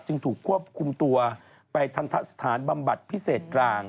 จึงถูกควบคุมตัวไปทันทะสถานบำบัดพิเศษกลาง